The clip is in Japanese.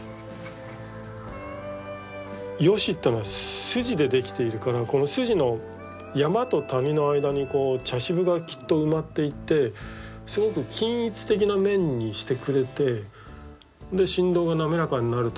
ヨシってのは筋でできているからこの筋の山と谷の間にこう茶渋がきっと埋まっていってすごく均一的な面にしてくれてで振動が滑らかになるとか。